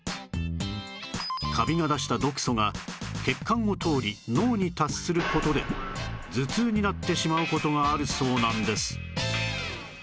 カビが出した毒素が血管を通り脳に達する事で頭痛になってしまう事があるそうなんです